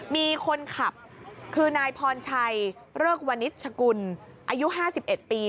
มีคนขับคือนายพรชัยเริกวนิชกุลอายุ๕๑ปี